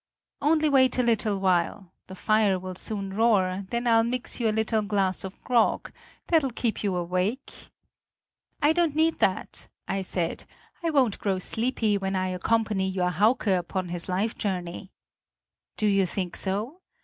"Only wait a little while! The fire will soon roar; then I'll mix you a little glass of grog that'll keep you awake!" "I don't need that," I said; "I won't grow sleepy, when I accompany your Hauke upon his life journey!" "Do you think so?"